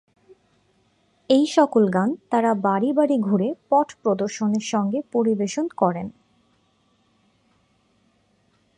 এই সকল গান তাঁরা বাড়ি বাড়ি ঘুরে পট প্রদর্শনের সঙ্গে পরিবেশন করেন।